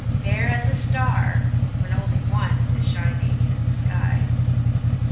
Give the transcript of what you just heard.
–Fair as a star, when only one Is shining in the sky.